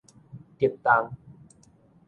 竹東